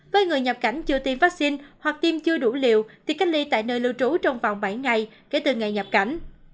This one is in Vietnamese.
với người nhập cảnh chưa tiêm vaccine hoặc tiêm chưa đủ liều thì cách ly tại nơi lưu trú trong vòng bảy ngày kể từ ngày nhập cảnh